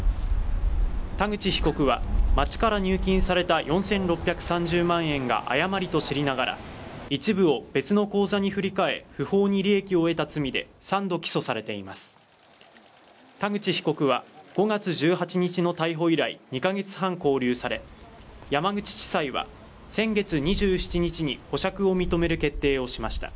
田口被告は町から入金された４６３０万円が誤りと知りながら一部を別の口座に振り替え不法に利益を得た罪で３度起訴されています田口被告は５月１８日の逮捕以来２か月半勾留され山口地裁は先月２７日に保釈を認める決定をしました